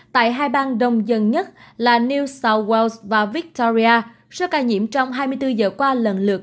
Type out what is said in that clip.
tại hai bang đông dân nhất là new south wales và victoria số ca nhiễm trong hai mươi bốn giờ qua lần lượt